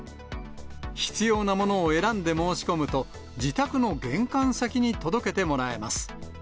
必要なものを選んで申し込むと、自宅の玄関先に届けてもらえます。